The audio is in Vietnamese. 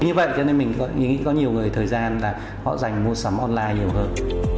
như vậy cho nên mình nghĩ có nhiều người thời gian là họ dành mua sắm online nhiều hơn